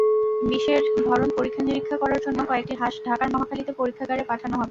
বিষের ধরন পরীক্ষা-নিরীক্ষা করার জন্য কয়েকটি হাঁস ঢাকার মহাখালীতে পরীক্ষাগারে পাঠানো হবে।